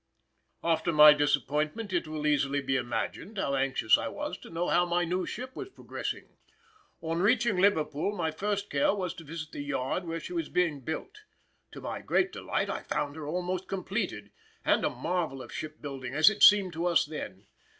After my disappointment it will easily be imagined how anxious I was to know how my new ship was progressing. On reaching Liverpool my first care was to visit the yard where she was being built. To my great delight I found her almost completed, and a marvel of shipbuilding as it seemed to us then.